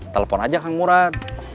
telepon aja kang murad